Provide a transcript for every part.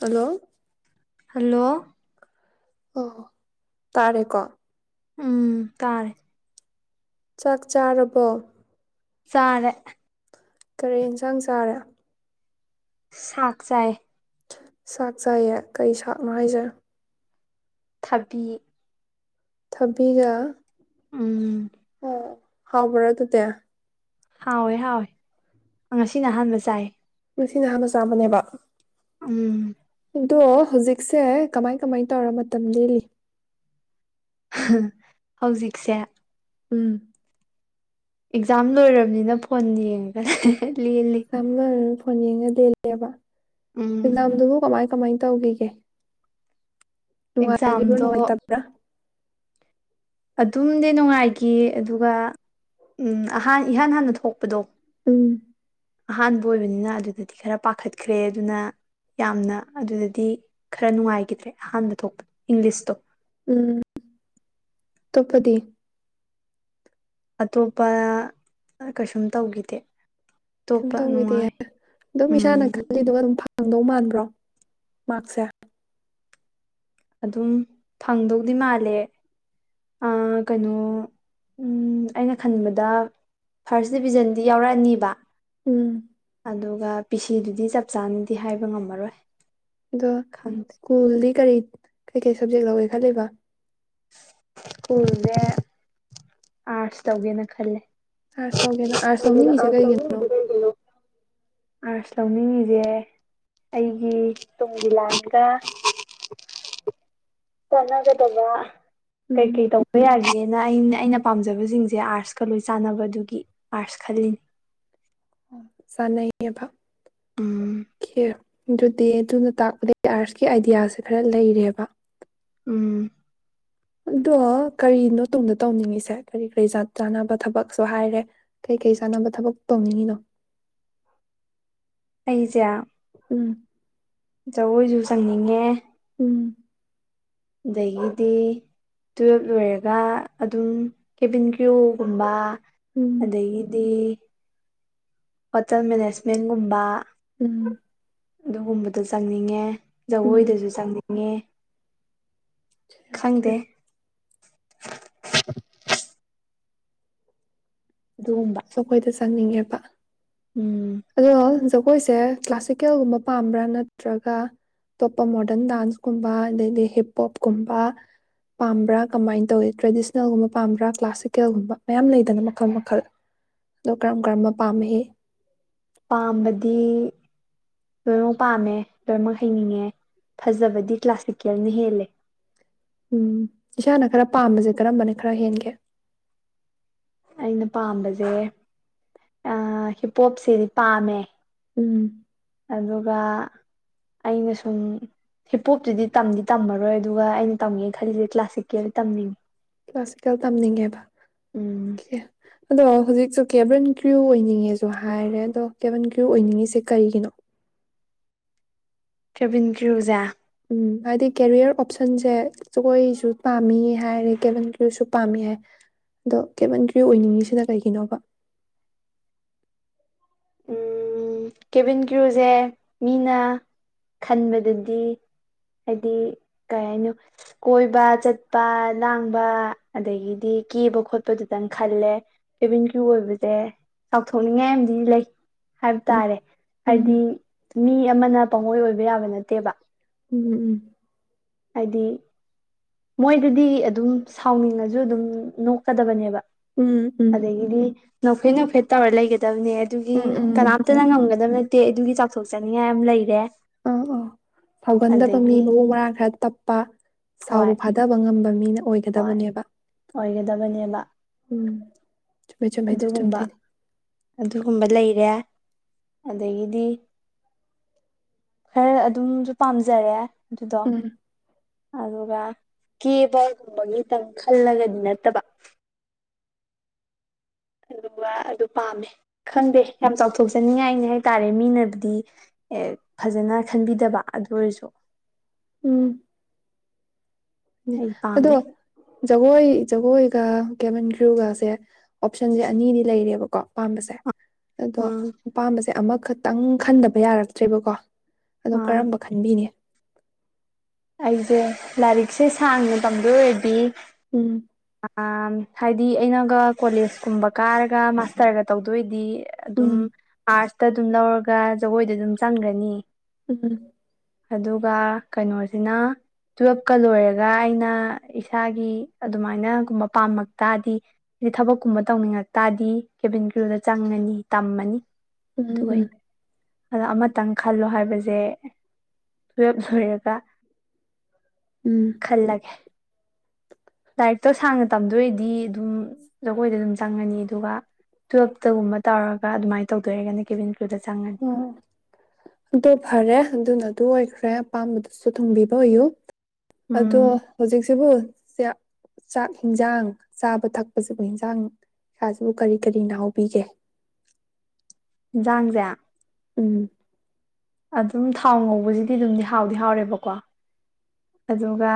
Hello hello ꯑꯣ ꯇꯥꯔꯦꯀꯣ ꯎꯝ ꯇꯥꯔꯦ ꯆꯥꯛ ꯆꯥꯔꯕꯣ ꯆꯔꯦ ꯀꯔꯤ ꯌꯦꯟꯁꯥꯡ ꯆꯥꯔꯦ ꯁꯥꯛ ꯆꯥꯏ ꯁꯥꯛ ꯆꯥꯏꯌꯦ ꯀꯩ ꯁꯥꯛꯅꯣ ꯍꯥꯏꯁꯦ ꯊꯕꯤ ꯊꯕꯤꯒ ꯎꯝ ꯑꯣ ꯍꯥꯎꯕ꯭ꯔꯣ ꯑꯗꯨꯗꯤ ꯍꯥꯎꯋꯦ ꯍꯥꯎꯋꯦ ꯉꯁꯤꯅ ꯑꯍꯥꯟꯕ ꯆꯥꯏ ꯉꯁꯤꯅ ꯑꯍꯥꯟꯕ ꯆꯥꯝꯕꯅꯦꯕ ꯎꯝ ꯑꯗꯣ ꯍꯧꯖꯤꯛꯁꯦ ꯀꯃꯥꯏ ꯀꯃꯥꯏ ꯇꯧꯔ ꯃꯇꯝ ꯂꯦꯜꯂꯤ ꯍꯧꯖꯤꯛꯁꯦ ꯎꯝ ꯑꯦꯛꯖꯥꯝ ꯂꯣꯏꯔꯕꯅꯤꯅ ꯐꯣꯟ ꯌꯦꯡꯉꯒ ꯂꯦꯜꯂꯤ [unintelligible] ꯐꯣꯟ ꯌꯦꯡꯉ ꯂꯦꯜꯂꯦꯕꯥ? ꯎꯝ ꯏ ꯑꯃꯗꯨꯕꯨ ꯀꯃꯥꯏ ꯀꯃꯥꯏꯅ ꯇꯧꯈꯤꯒꯦ ꯅꯨꯡꯉꯥꯏꯒꯤꯕ꯭ꯔꯣ ꯑꯦꯛꯖꯥꯝꯗꯣ ꯅꯨꯡꯉꯥꯏꯇꯕ꯭ꯔꯥ? ꯑꯗꯨꯝꯗꯤ ꯅꯨꯡꯉꯥꯏꯈꯤ ꯑꯗꯨꯒ ꯑꯍꯥꯟ ꯏꯍꯥꯟ ꯍꯥꯟꯅ ꯊꯣꯛꯄꯗꯣ ꯎꯝ꯫ ꯑꯍꯥꯟꯕ ꯑꯣꯏꯕꯅꯤꯅ ꯑꯗꯨꯗꯗꯤ ꯈꯔ ꯄꯥꯈꯠꯈ꯭ꯔꯦ ꯑꯗꯨꯅ ꯌꯥꯝꯅ ꯑꯗꯨꯗꯗꯤ ꯈꯔ ꯅꯨꯡꯉꯥꯏꯈꯤꯗ꯭ꯔꯦ ꯑꯍꯥꯟꯕ ꯊꯣꯛꯄ ꯏꯪꯂꯤꯁꯇꯣ ꯎꯝ ꯇꯣꯄꯗꯤ ꯑꯇꯣꯞꯄ ꯀꯩꯁꯨꯝ ꯇꯧꯈꯤꯗꯦ ꯀꯩꯁꯨꯝ ꯑꯇꯣꯞꯄ ꯇꯧꯈꯤꯗꯦ ꯅꯨꯡꯉꯥꯏ ꯑꯗꯨꯝ ꯏꯁꯥꯅ ꯎꯝ ꯈꯜꯂꯤꯗꯨ ꯑꯗꯨꯝ ꯐ ꯐꯪꯗꯧ ꯃꯥꯟꯕ꯭ꯔꯣ ꯃꯥꯛꯁꯦ ꯑꯗꯨꯝ ꯐꯪꯗꯧꯗꯤ ꯃꯥꯜꯂꯦ ꯀꯩꯅꯣ ꯑꯩꯅ ꯈꯟꯕꯗ ꯐꯥꯔꯁ ꯗꯤꯕꯤꯖꯟꯗꯤ ꯌꯥꯎꯔꯛꯑꯅꯤꯕ ꯎꯝ ꯑꯗꯨꯒ ꯄꯤꯁꯤꯗꯨꯗꯤ ꯆꯞ ꯆꯥꯅꯗꯤ ꯍꯥꯏꯕ ꯉꯝꯃꯔꯣꯏ ꯑꯣꯗ ꯈꯪꯗꯦ ꯁ꯭ꯀꯨꯜꯗꯤ ꯀꯔꯤ ꯀꯩ ꯀꯩ ꯁꯕꯖꯦꯛ ꯂꯧꯒꯦ ꯈꯜꯂꯤꯕ ꯁ꯭ꯀꯨꯜꯁꯦ ꯑꯥꯔꯠꯁ ꯇꯧꯒꯦꯅ ꯈꯜꯂꯦ ꯑꯥꯔꯁ ꯇꯧꯒꯦꯅ ꯑꯥꯔꯁ ꯂꯧꯅꯤꯡꯉꯤꯁꯦ ꯀꯩꯒꯤꯅꯣ ꯑꯥꯔꯁ ꯂꯧꯅꯤꯡꯉꯤꯁꯦ ꯑꯩꯒꯤ ꯇꯨꯡꯒꯤ ꯂꯥꯟꯒ ꯆꯉꯒꯗꯕ ꯎꯝ ꯀꯩꯀꯩ ꯇꯧꯕ ꯌꯥꯒꯦ ꯑꯗꯨ ꯑꯩꯅ ꯑꯩꯅ ꯄꯥꯝꯖꯕꯁꯤꯡꯁꯦ ꯑꯥꯔꯠꯁꯀ ꯂꯣꯏ ꯆꯥꯟꯅꯕꯗꯨꯒꯤ ꯑꯥꯔꯠꯁ ꯈꯜꯂꯤꯅꯦ ꯆꯅꯩꯌꯦꯕ ꯎꯝ [unintelligible] ꯑꯗꯨꯗꯤ ꯑꯗꯨꯅ ꯇꯥꯛꯄꯗꯒꯤ ꯑꯥꯔꯠꯁꯀꯤ ꯑꯥꯏꯗꯤꯌꯥꯁꯦ ꯈꯔ ꯂꯩꯔꯦꯕ ꯎꯝ ꯑꯗꯣ ꯀꯔꯤꯅꯣ ꯇꯨꯡꯗ ꯇꯧꯅꯤꯡꯉꯤꯁꯦ ꯀꯔꯤ ꯀꯔꯤ ꯆꯥꯅꯕ ꯊꯕꯛꯁꯨ ꯍꯥꯏꯔꯦ ꯀꯩꯀꯔꯤ ꯆꯥꯅꯕ ꯊꯕꯛ ꯇꯧꯅꯤꯡꯉꯤꯅꯣ ꯑꯩꯖ ꯎꯝ ꯖꯒꯣꯏꯁꯨ ꯆꯪꯅꯤꯡꯉꯦ ꯎꯝ ꯑꯗꯒꯤꯗꯤ ꯇꯨꯋꯜꯞ ꯂꯣꯏꯔꯒ ꯑꯗꯨꯝ ꯀꯦꯕꯤꯟ ꯀꯌꯣꯒꯨꯝꯕ ꯎꯝ ꯑꯗꯩꯒꯤꯗꯤ ꯍꯣꯇꯦꯜ ꯃꯦꯅꯦꯖꯃꯦꯟꯒꯨꯝꯕ ꯎꯝ ꯑꯗꯨꯒꯨꯝꯕꯗꯣ ꯆꯪꯅꯤꯡꯉꯦ ꯎꯝ ꯖꯒꯣꯏꯗꯁꯨ ꯆꯪꯅꯤꯡꯉꯦ ꯈꯪꯗꯦ [unintelligible] [inaudible] ꯑꯗꯨꯒꯨꯝꯕ ꯁꯈꯣꯏꯗ ꯆꯪꯅꯤꯡꯉꯦ ꯕ ꯎꯝ ꯔꯣ [unintelligible] ꯖꯒꯣꯏꯁꯦ ꯀ꯭ꯂꯥꯁꯤꯀꯦꯜꯒꯨꯝꯕ ꯄꯥꯝꯕ꯭ꯔꯥ ꯅꯠꯇ꯭ꯔꯒ ꯑꯇꯣꯞꯄ ꯃꯣꯗꯔꯟ ꯗꯥꯟꯁꯀꯨꯝꯕ ꯑꯗꯩꯗꯤ ꯍꯤꯞ ꯍꯣꯞꯀꯨꯝꯕ ꯄꯥꯝꯕ꯭ꯔꯥ ꯀꯃꯥꯏꯅ ꯇꯧꯏ ꯇ꯭ꯔꯦꯗꯤꯁꯅꯦꯜꯒꯨꯝꯕ ꯄꯥꯝꯕ꯭ꯔꯥ ꯀ꯭ꯂꯥꯁꯤꯀꯦꯜꯒꯨꯝꯕ ꯃꯌꯥꯝ ꯂꯩꯗꯅ ꯃꯈꯜ ꯃꯈꯜ ꯑꯣ ꯀꯔꯝ ꯀꯔꯝꯕ ꯄꯥꯝꯃꯤ ꯄꯥꯝꯕꯗꯤ ꯂꯣꯏꯅꯃꯛ ꯄꯥꯝꯃꯦ ꯂꯣꯏꯅꯃꯛ ꯍꯩꯅꯤꯡꯉꯦ ꯐꯖꯕꯗꯤ ꯀ꯭ꯂꯥꯁꯤꯀꯦꯜꯅ ꯍꯦꯜꯂꯦ ꯎꯝ ꯏꯁꯥꯅ ꯈꯔ ꯄꯥꯝꯕꯁꯦ ꯀꯔꯝꯕꯅꯦ ꯈꯔ ꯍꯦꯟꯒꯦ ꯑꯩꯅ ꯄꯥꯝꯕꯁꯦ ꯍꯤꯞꯄꯣꯞꯁꯤꯗꯤ ꯄꯥꯝꯃꯦ ꯎꯝ ꯑꯗꯨꯒ ꯑꯩꯅ ꯁꯨꯝ ꯍꯤꯞꯄꯣꯞꯇꯨꯗꯤ ꯇꯝꯗꯤ ꯇꯝꯃꯔꯣꯏ ꯑꯗꯨꯒ ꯑꯩꯅ ꯇꯝꯒꯦ ꯈꯜꯂꯤꯁꯦ ꯀ꯭ꯂꯥꯁꯤꯛꯀꯦꯜ ꯇꯝꯅꯤꯡꯉꯤ ꯀ꯭ꯂꯥꯁꯤꯀꯦꯜ ꯇꯝꯅꯤꯡꯉꯦꯕ ꯎꯝ ꯑꯗꯣ ꯍꯧꯖꯤꯛꯁꯨ ꯀꯦꯕꯟ ꯀ꯭ꯔꯌꯨ ꯑꯣꯏꯅꯤꯡꯉꯦꯁꯨ ꯍꯥꯏꯔꯦ ꯑꯗꯣ ꯀꯦꯕꯔꯟ ꯀ꯭꯭ꯔꯌꯨ ꯑꯣꯏꯅꯤꯡꯉꯤꯁꯦ ꯀꯔꯤꯒꯤꯅꯣ ꯀꯔ꯭ꯦꯕꯤꯟ ꯀꯔꯑꯣꯖꯥ ꯎꯝ ꯍꯥꯏꯗꯤ ꯀꯦꯔꯤꯌꯔ ꯑꯣꯞꯁꯟꯁꯦ ꯖꯒꯣꯏꯁꯨ ꯄꯥꯝꯃꯤ ꯍꯥꯏꯔꯦ ꯀꯦꯕꯟ ꯀ꯭ꯔꯌꯨꯁꯨ ꯄꯥꯝꯃꯤ ꯍꯥꯏ ꯑꯗꯣ ꯀꯦꯕꯟ ꯀ꯭ꯔꯌꯨ ꯑꯣꯏꯅꯤꯡꯉꯤꯁꯤꯅ ꯀꯩꯒꯤꯅꯣꯕ ꯀꯦꯚꯤꯟ ꯀ꯭ꯔꯨꯁꯦ ꯃꯤꯅ ꯈꯟꯕꯗꯗꯤ ꯍꯥꯏꯗꯤ ꯀꯩ ꯍꯥꯏꯅꯣ ꯀꯣꯏꯕ ꯆꯠꯄ ꯂꯥꯡꯕ ꯑꯗꯒꯤꯗꯤ ꯀꯦꯕ ꯈꯣꯠꯄꯗꯨꯇꯪ ꯈꯜꯂꯦ ꯀꯦꯚꯤꯟ ꯀ꯭ꯔꯨ ꯑꯣꯏꯕꯁꯦ ꯆꯥꯎꯊꯣꯛꯅꯤꯡꯉꯥꯏ ꯑꯃꯗꯤ ꯂꯩ ꯎꯝ ꯇꯔꯦ ꯍꯥꯏꯗꯤ ꯎꯝ ꯃꯤ ꯑꯃꯅ ꯄꯪꯉꯣꯏ ꯑꯣꯏꯕ ꯌꯥꯕ ꯅꯠꯇꯦꯕ ꯎꯝ ꯎꯝ ꯍꯥꯏꯗꯤ ꯃꯣꯏꯗꯗꯤ ꯑꯗꯨꯝ ꯁꯥꯎꯅꯤꯡꯉꯁꯨ ꯑꯗꯨꯝ ꯅꯣꯛꯀꯗꯕꯅꯦꯕ ꯎꯝ ꯎꯝ ꯑꯗꯒꯤꯗꯤ ꯅꯦꯐꯦꯗ ꯅꯣꯐꯦꯗ ꯇꯕꯔ ꯂꯩꯒꯦ ꯇꯕꯅꯦ ꯑꯗꯨꯒꯤ ꯎꯝ ꯎꯝ ꯀꯅꯥ ꯎꯝ ꯅꯪ ꯉꯝꯒꯗꯕ ꯠꯇꯦ ꯑꯗꯨꯒꯤ ꯆꯥꯎꯊꯣꯛꯆꯅꯤꯡꯉꯥꯏ ꯌꯥꯝ ꯂꯩꯔꯦ ꯑꯥ ꯑꯥ ꯁꯥꯎꯒꯟꯗꯕ ꯃꯤ ꯑꯗꯒꯤ ꯃꯕꯨꯡ ꯃꯔꯥꯡ ꯈꯔ ꯇꯞꯄ ꯍꯣꯏ ꯁꯥꯎꯕ ꯐꯥꯗꯕ ꯉꯝꯕ ꯃꯤꯅ ꯍꯣꯏ ꯑꯣꯏꯒꯗꯕꯅꯦꯕ ꯑꯣꯏꯒꯗꯕꯅꯦꯕ ꯎꯝ ꯆꯨꯝꯃꯦ ꯆꯨꯝꯃꯦ ꯑꯗꯨ ꯑꯗꯨꯒꯨꯝꯕ ꯆꯨꯝꯗꯣꯏꯅꯦ ꯑꯗꯨꯒꯨꯝꯕ ꯂꯩꯔꯦ ꯑꯗꯒꯤꯗꯤ ꯈꯔ ꯑꯗꯨꯝꯁꯨ ꯄꯥꯝꯖꯔꯦ ꯑꯗꯨꯗꯣ ꯎꯝ ꯑꯗꯨꯒ ꯀꯦꯕ ꯨꯕꯒꯤ ꯇꯪ ꯈꯜꯂꯒꯗꯤ ꯅꯠꯇꯕ ꯑꯗꯨꯒ ꯑꯗꯨ ꯄꯥꯝꯃꯦ ꯈꯟꯗꯦ ꯌꯥꯝ ꯆꯥꯎꯊꯣꯛꯆꯅꯤꯡꯉꯥꯏꯅꯤ ꯍꯥꯏ ꯇꯔꯦ ꯃꯤꯅꯕꯨꯗꯤ ꯑꯦ ꯐꯖꯅ ꯈꯟꯕꯤꯗꯕ ꯑꯗꯨ ꯑꯣꯏꯔꯁꯨ ꯎꯝ ꯎꯝ ꯑꯩ ꯑꯗꯣ ꯄꯥꯝꯃꯦ ꯖꯒꯣꯏ ꯖꯒꯣꯏꯒ ꯀꯦꯕꯟ ꯒ꯭ꯔꯨꯒꯁꯦ ꯑꯣꯞꯁꯟꯁꯦ ꯑꯅꯤꯗꯤ ꯂꯩꯔꯦꯕꯀꯣ ꯑꯥꯝꯕꯁꯦ ꯑꯗꯣ ꯎꯝ ꯑꯄꯥꯝꯕꯁꯦ ꯑꯃꯛ ꯈꯇꯪ ꯈꯟꯗꯕ ꯌꯥꯔꯛꯇ꯭ꯔꯦꯕꯀꯣ ꯑꯗꯣ ꯑꯥ ꯀꯔꯝꯕ ꯈꯟꯕꯤꯅꯦ ꯑꯩꯁꯦ ꯂꯥꯏꯔꯤꯛꯁꯦ ꯁꯥꯡꯅ ꯇꯝꯗꯣꯏ ꯑꯣꯏꯔꯗꯤ ꯎꯝ ꯑ ꯍꯥꯏꯗꯤ ꯑꯩꯅꯒ ꯀꯣꯂꯦꯁ ꯀꯨꯝꯕ ꯀꯥꯔꯒ ꯃꯥꯁꯇꯔꯒ ꯇꯧꯗꯣꯏꯗꯤ ꯑꯗꯨꯝ ꯎꯝ ꯇ ꯑꯗꯨꯝ ꯂꯧꯔꯒ ꯖꯒꯣꯏꯗ ꯑꯗꯨꯝ ꯆꯪꯒ꯭ꯔꯅꯤ ꯎꯝ ꯑꯗꯨꯒ ꯀꯩꯅꯣꯁꯦ ꯑꯁꯤꯅ ꯇꯨꯋꯦꯜꯞꯀ ꯂꯣꯏꯔꯒ ꯑꯩꯅ ꯏꯁꯥꯒꯤ ꯑꯗꯨꯃꯥꯏꯅꯒꯨꯝꯕ ꯄꯥꯝꯂ ꯇꯥꯔꯗꯤ ꯍꯥꯏ ꯊꯕꯛꯀꯨꯝꯕ ꯇꯧꯅꯤꯡꯉ ꯇꯗꯤ ꯀꯦꯕꯤꯟ ꯀ꯭ꯔꯨꯗ ꯆꯪꯉꯅꯤ ꯇꯝꯃꯅꯤ ꯎꯝ ꯎꯝ ꯑꯗꯣ ꯑꯃꯇꯪ ꯈꯜꯂꯣ ꯍꯥꯏꯕꯁꯦ ꯇꯨꯋꯜꯞ ꯂꯣꯏꯔꯒ ꯎꯝ ꯈꯜ ꯂꯒꯦ ꯂꯥꯏꯔꯤꯛꯇꯣ ꯁꯥꯡꯅ ꯇꯝꯗꯣꯏꯑꯣꯏꯔꯤꯗꯤ ꯑꯗꯨꯝ ꯖꯒꯣꯏꯗ ꯑꯗꯨꯝ ꯆꯪꯉꯅꯤ ꯑꯗꯨꯒ ꯇꯨꯋꯦꯜꯞꯇꯒꯨꯝꯕ ꯇꯥꯔꯒ ꯑꯗꯨꯃꯥꯏꯅ ꯇꯧꯗꯔꯒꯅꯦ ꯀꯦꯕꯤꯟ ꯀ꯭ꯔꯨꯗ ꯆꯪꯉꯅꯤ ꯎꯝ ꯑꯗꯨ ꯐꯔꯦ ꯑꯗꯨꯅ ꯑꯗꯨ ꯑꯣꯏꯈ꯭ꯔ ꯈꯔ ꯑꯄꯥꯝꯕꯗꯨꯁꯨ ꯊꯨꯡꯕꯤꯕ ꯑꯣꯏꯌꯨ ꯑꯗꯣ ꯎꯝ ꯍꯧꯖꯤꯛꯁꯤꯕꯨ ꯆꯥꯛ ꯆꯥꯛ ꯌꯦꯟꯖꯥꯡ ꯆꯥꯕ ꯊꯛꯄꯁꯤꯕꯨ ꯏꯟꯖꯥꯡ ꯀꯥꯁꯤꯕꯨ ꯀꯔꯤ ꯀꯔꯤ ꯍꯥꯎꯕꯤꯒꯦ ꯍꯦꯟꯖꯥꯡꯁꯦ ꯎꯝ ꯑꯗꯨꯝ ꯊꯥꯎ ꯉꯧꯕꯁꯤꯗꯤ ꯑꯗꯨꯝꯗꯤ ꯍꯥꯎꯗꯤ ꯍꯥꯎꯔꯦꯕꯀꯣ ꯑꯗꯨꯒ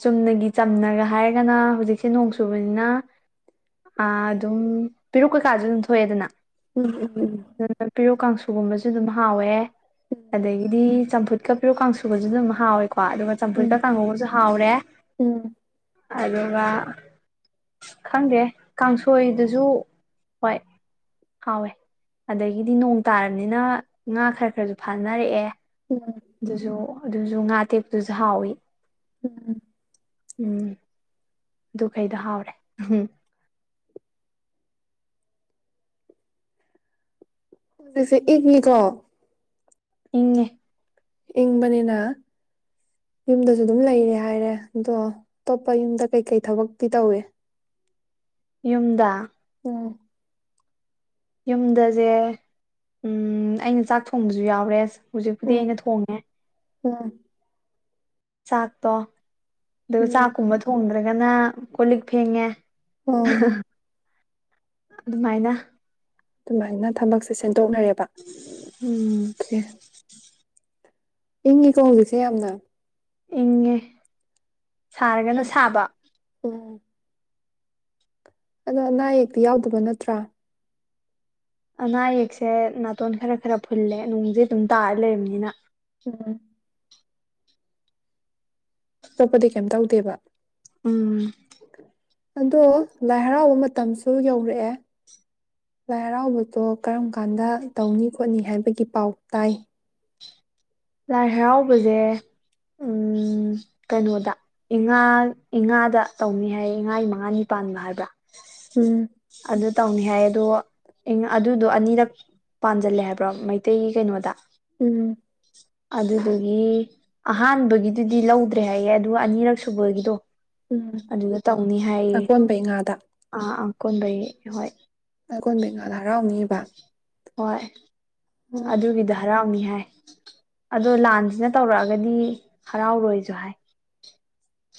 ꯆꯨꯝꯅꯒꯤ ꯆꯝꯅꯒ ꯍꯥꯏꯔꯒꯅ ꯍꯧꯖꯤꯛꯁꯦ ꯅꯣꯡ ꯆꯨꯕꯅꯤꯅ ꯑꯗꯨꯝ ꯄꯦꯔꯨꯛ ꯀꯩꯀꯥꯁꯨ ꯑꯗꯨꯝ ꯊꯣꯛꯑꯦꯗꯅ ꯎꯝ ꯎꯝ ꯑꯗꯨ ꯄꯤꯔꯨꯛ ꯀꯥꯡꯁꯨ ꯁꯤꯒꯨꯝꯕꯁꯤꯁꯨ ꯑꯗꯨꯝ ꯍꯥꯎꯋꯦ ꯍꯦ ꯑꯗꯗꯒꯤꯗꯤ ꯆꯝꯐꯨꯠ [inaudible] ꯀꯥꯡꯁꯨꯒꯁꯨ ꯑꯗꯨꯝ ꯍꯥꯎꯋꯦꯀꯣ ꯑꯗꯨꯒ ꯆꯝꯐꯨꯠꯀ ꯎꯝ ꯀꯥꯡꯒꯧꯒꯁꯨ ꯍꯥꯎꯔꯦ ꯎꯝ ꯎꯝ ꯑꯗꯨꯒ ꯈꯪꯗꯦ ꯀꯥꯡꯁꯣꯏꯗꯨꯁꯨ ꯍꯣꯏ ꯍꯥꯎꯋꯦ ꯑꯗꯒꯤꯗꯤ ꯅꯣꯡ ꯇꯥꯔꯕꯅꯤꯅ ꯉꯥ ꯈꯔ ꯈꯔꯁꯨ ꯐꯥꯅꯔꯛꯑꯦ ꯎꯝ ꯑꯗꯨꯁꯨ ꯑꯗꯨꯁꯨ ꯉꯥ ꯇꯦꯛꯄꯗꯨꯁꯨ ꯍꯥꯎꯋꯤ ꯎꯝ ꯎꯝ ꯑꯗꯨ ꯀꯩꯗꯣ ꯍꯥꯎꯔꯦ ꯎꯝ ꯁꯦ ꯏꯪꯅꯤꯀꯣ ꯏꯪꯉꯤ ꯏꯪꯕꯅꯤꯅ ꯌꯨꯝꯗꯁꯨ ꯑꯗꯨꯝ ꯂꯩꯔꯦ ꯍꯥꯏꯔꯦ ꯑꯗꯣ ꯑꯇꯣꯞꯄ ꯌꯨꯝꯗ ꯀꯩꯀꯩ ꯊꯕꯛꯇꯤ ꯇꯧꯏ ꯌꯨꯝꯗ ꯎꯝ ꯌꯨꯝꯗꯁꯦ ꯎ ꯑꯩꯅ ꯆꯥꯛ ꯊꯣꯡꯕꯁꯨ ꯌꯥꯎꯔꯦ ꯑ ꯍꯧꯖꯤꯛꯄꯨꯗꯤ ꯑꯩꯅ ꯊꯣꯡꯉꯦ ꯑꯥ ꯆꯥꯛꯇꯣ ꯑꯗꯨ ꯎꯝ ꯆꯀꯨꯝꯃꯊꯣꯡꯟꯗ ꯀꯒꯅ ꯀꯜꯂꯤ ꯐꯦꯉꯦ ꯎꯝ ꯑꯗꯨꯃꯥꯏꯅ ꯑꯗꯨꯃꯥꯏꯅ ꯊꯕꯛꯁꯦꯦ ꯎꯝ ꯁꯦꯡꯗꯣꯛꯅꯔꯦꯕꯀꯦ ꯏꯪꯉꯀꯣꯡꯖꯤꯁꯦ ꯌꯥꯝꯅ ꯏꯦ ꯁꯥꯔꯒꯅ ꯁꯥꯕ ꯎꯝ ꯑꯗꯣ ꯑꯅꯥ ꯑꯌꯦꯛꯇꯤ ꯌꯥꯎꯗꯕ ꯅꯠꯇ꯭ꯔꯥ ꯑꯅꯥ ꯑꯌꯦꯛꯁꯦ ꯅꯥꯇꯣꯟ ꯈꯔ ꯈꯔ ꯐꯨꯜꯂꯦ ꯅꯅꯨꯡꯁꯦ ꯑꯗꯨꯝ ꯇꯥꯔ ꯂꯩꯔꯕꯅꯤꯅ ꯎꯝ ꯑꯇꯣꯞꯄꯗꯤ ꯀꯩꯝ ꯇꯧꯗꯦꯕ ꯎꯝ ꯑꯗꯣ ꯂꯥꯏ ꯍꯔꯥꯎꯕ ꯃꯇꯝꯁꯨ ꯌꯧꯔꯛꯑꯦ ꯂꯥꯏ ꯍꯔꯥꯎꯕꯗꯣ ꯀꯔꯝ ꯀꯥꯟꯗ ꯇꯧꯅꯤ ꯈꯣꯠꯅꯤ ꯍꯥꯏꯕꯒꯤ ꯄꯥꯎ ꯇꯥꯏ ꯂꯥꯏ ꯍꯔꯥꯎꯕꯁꯦ ꯀꯩꯅꯣꯗ ꯏꯉꯥ ꯏꯉꯥꯗ ꯇꯧꯅꯤ ꯍꯥꯏ ꯏꯉꯥ ꯏ ꯃꯉꯥꯅꯤ ꯄꯥꯟꯕ ꯍꯥꯏꯕ꯭ꯔꯥ ꯎꯝ ꯑꯗꯨ ꯇꯧꯅꯤ ꯍꯥꯏ ꯑꯗꯣ ꯑꯗꯨꯗꯣ ꯑꯅꯤꯔꯛ ꯄꯥꯟꯁꯤꯜꯂꯦ ꯍꯥꯏꯕ꯭ꯔꯣ ꯃꯩꯇꯩꯒꯤ ꯀꯩꯅꯣꯗ ꯎꯝ ꯑꯗꯨꯗꯨꯒꯤ ꯑꯍꯥꯟꯕꯒꯤꯗꯨꯗꯤ ꯂꯧꯗ꯭ꯔꯦ ꯍꯥꯏꯌꯦꯦ ꯑꯗꯨꯒ ꯑꯅꯤꯔꯛ ꯁꯨꯕꯒꯤꯗꯣ ꯎꯝ ꯑꯗꯨꯒ ꯇꯧꯅꯤ ꯍꯥꯏꯌꯦ ꯑꯀꯣꯟꯕꯩ ꯉꯥꯗ ꯑ ꯑꯀꯣꯟꯕꯩ ꯍꯣꯏ ꯑꯩ ꯀꯣꯟ ꯕꯦꯡꯒꯥꯜ ꯍꯔꯥꯎ ꯋꯥ ꯍꯣꯏ ꯑꯗꯨꯒꯤꯗ ꯍꯔꯥꯎꯅꯤ ꯑꯗꯣ ꯂꯥꯟꯁꯤꯅ ꯇꯧꯔꯛꯑꯒꯗꯤ ꯍꯔꯥꯎꯔꯣꯏꯁꯨ ꯍꯥꯏ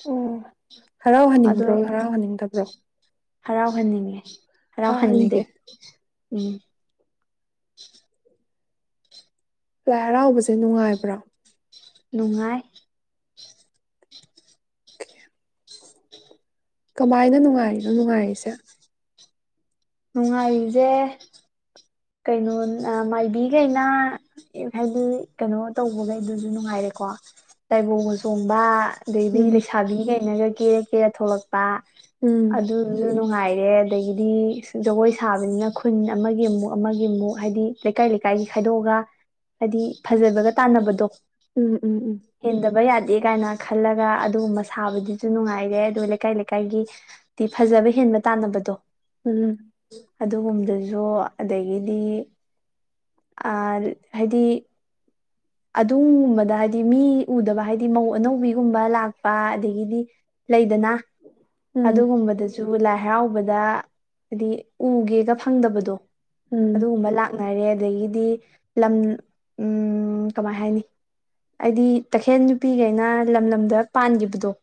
ꯑꯣ ꯍꯔꯥꯎꯍꯟꯅꯤꯡꯕ꯭ꯔꯣ ꯍꯔꯥꯎꯍꯟꯅꯤꯡꯗꯕ꯭ꯔꯣ ꯍꯔꯥꯎꯍꯟꯅꯤꯡꯉꯤ ꯍꯔꯥꯎ ꯍꯟꯅꯤꯡꯗ꯭ꯔ ꯍꯔꯥꯎꯍꯟꯅꯤꯡꯉꯦ ꯎꯝ ꯂꯥꯏ ꯍꯔꯥꯎꯕꯁꯦ ꯅꯨꯡꯉꯥꯏꯕ꯭ꯔꯥ ꯅꯨꯡꯉꯥꯏ [inaudible] ꯀꯃꯥꯏꯅ ꯅꯨꯡꯉꯥꯏꯔꯤꯅꯣ ꯅꯨꯡꯉꯥꯏꯔꯤꯁꯦ ꯅꯨꯡꯉꯥꯏꯔꯤꯁꯦ ꯀꯩꯅꯣ ꯃꯥꯏꯕꯤꯈꯩꯅ ꯍꯥꯏꯗꯤ ꯀꯩꯅꯣ ꯇꯧꯕꯈꯩꯗꯨꯁꯨ ꯅꯨꯡꯉꯥꯏꯔꯦꯀꯣ ꯇꯥꯏꯕꯪꯒ ꯆꯣꯡꯕ ꯑꯗꯩꯗꯤ ꯎꯝ ꯂꯩꯁꯥꯕꯤ ꯀꯩ ꯑꯩꯅꯒ ꯀꯦꯔ ꯀꯦꯔ ꯊꯣꯛꯂꯛ ꯎꯝ ꯑꯗꯨꯁꯨ ꯅꯨꯡꯉꯥꯏ ꯑꯗꯒꯤꯗꯤ ꯖꯒꯣꯏ ꯁꯥꯕꯅꯤꯅ ꯈꯨꯟ ꯑꯃꯒꯤ ꯑꯃꯨꯛ ꯑꯃꯒꯤ ꯑꯃꯨꯛ ꯍꯥꯏꯗꯤ ꯂꯩꯀꯥꯏ ꯂꯩꯀꯥꯏꯒꯤ ꯈꯥꯏꯗꯣꯛꯑꯒ ꯍꯥꯏꯗꯤ ꯐꯖꯕꯒ ꯇꯥꯟꯅꯕꯗꯣ ꯎꯝ ꯎꯝ ꯎꯝ ꯗꯦ ꯀꯥꯏꯅ ꯈꯜꯂꯒ ꯑꯗꯨꯒꯨꯝꯕ ꯁꯥꯕꯗꯨꯁꯨ ꯅꯨꯡꯉꯥꯏꯔꯦ ꯑꯗꯨ ꯂꯩꯀꯥꯏ ꯂꯩꯀꯥꯏꯒꯤꯗꯤ ꯐꯖꯕ ꯍꯦꯟꯕ ꯇꯥꯟꯅꯕꯗꯣ ꯎꯝ ꯑꯗꯨꯒꯨꯝꯕꯗꯁꯨ ꯑꯗꯒꯤꯗꯤ ꯍꯥꯏꯗꯤ ꯑꯗꯨꯨꯝꯕꯗ ꯍꯥꯏꯗꯤ ꯃꯤ ꯎꯗꯕ ꯍꯥꯏꯗꯤ ꯃꯧ ꯑꯅꯧꯕꯤꯒꯨꯝꯕ ꯂꯥꯛꯄ ꯑꯗꯒꯤꯗꯤ ꯂꯩꯗꯅ ꯑꯗ ꯎꯝ ꯍꯝꯕꯗꯁ ꯁꯨ ꯂꯥꯏ ꯍꯔꯥꯎꯕꯗ ꯍꯥꯏꯗꯤ ꯎꯒꯦꯒ ꯐꯪꯗꯕꯗꯣ ꯎꯝ ꯑꯗꯨ ꯎꯝ ꯎꯨꯝꯕꯂ ꯈꯅꯔꯦ ꯑꯗꯒꯤꯗꯤ ꯂꯝ ꯎ ꯀꯃꯥꯏ ꯍꯥꯏꯅꯤ ꯑꯩꯗꯤ ꯇꯈꯦꯜ ꯅꯨꯄꯤꯈꯩꯅ ꯂꯝ ꯂꯝꯗ ꯄꯥꯟꯈꯤꯕꯗꯣ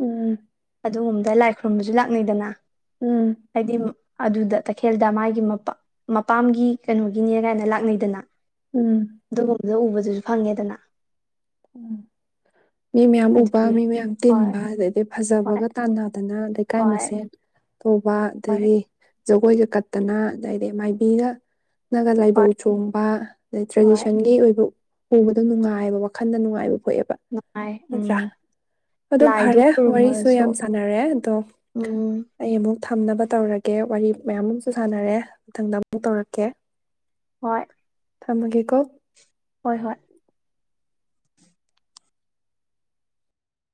ꯎꯝ ꯑꯗꯨꯒꯨꯝꯕꯗ ꯂꯥꯏ ꯈꯨꯔꯨꯝꯕꯁꯨ ꯂꯥꯛꯅꯩꯗꯅ ꯎꯝ ꯍꯥꯏꯗꯤ ꯑꯗꯨꯗ ꯇꯈꯦꯜꯗ ꯃꯥꯒꯤ ꯃꯄꯥ ꯃꯄꯥꯝꯒꯤ ꯀꯩꯅꯣꯒꯤꯅꯦ ꯀꯥꯏꯅ ꯂꯥꯛꯅꯩꯗꯅ ꯎꯝ ꯑꯗ ꯎꯕꯁꯁꯨ ꯐꯪꯉꯦꯗꯅ ꯎꯝ ꯃꯤ ꯃꯌꯥꯝ ꯎꯕ ꯑꯗꯨꯒꯤ ꯃꯤ ꯃꯌꯥꯝ ꯍꯣꯏ ꯇꯤꯟꯕ ꯑꯗꯩꯗꯤ ꯍꯣꯏ ꯐꯖꯕꯒ ꯇꯥꯟꯅꯗꯅ ꯂꯩꯩꯀꯥꯏ ꯍꯣꯏ ꯃꯁꯦꯟ ꯇꯧꯕ ꯍꯣꯏ ꯑꯗꯒꯤ ꯖꯒꯣꯏꯒ ꯀꯠꯇꯅ ꯑꯗꯩꯗꯤ ꯃꯥꯏꯕꯤꯒ ꯒ ꯂꯥꯏꯕꯧ ꯍꯣꯏ ꯆꯣꯡꯕ ꯑꯗꯩ ꯍꯣꯏ ꯇ꯭ꯔꯦꯗꯤꯁꯟꯒꯤ ꯑꯣꯏꯕ ꯎꯕꯗꯣ ꯅꯨꯡꯉꯥꯏꯕ ꯋꯥꯈꯟꯗ ꯅꯨꯡꯉꯥꯏꯕ ꯄꯣꯛꯑꯦꯕ ꯅꯠꯇ꯭ꯔꯥ ꯎꯝ ꯑꯗꯣ ꯂꯥꯏꯗꯨ ꯐꯔꯦ ꯋꯥꯔꯤꯁꯨ ꯈꯨꯔꯨꯝꯃꯔꯁꯨ ꯌꯥꯝ ꯁꯥꯥꯟꯅꯔꯦ ꯑꯗꯣ ꯎꯝ ꯑꯩ ꯑꯃꯨꯛ ꯊꯝꯅꯕ ꯇꯧꯔꯒꯦ ꯋꯥꯔꯤ ꯃꯌꯥꯝ ꯑꯃꯁꯨ ꯁꯥꯟꯅꯔꯦ ꯃꯊꯪꯗ ꯑꯃꯨꯛ ꯇꯧꯔꯛꯀꯦ ꯍꯣꯏ ꯊꯝꯃꯒꯦꯀꯣ ꯍꯣꯏ ꯍꯣꯏ